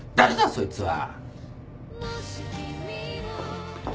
そいつは。